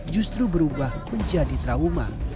justru berubah menjadi trauma